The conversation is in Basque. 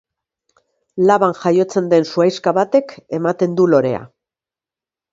Laban jaiotzen den zuhaixka batek ematen du lorea.